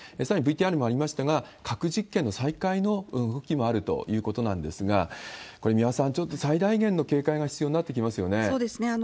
さらにＶＴＲにもありましたが、核実験の再開の動きもあるということなんですが、これ、三輪さん、ちょっと最大限の警戒が必要になそうですね。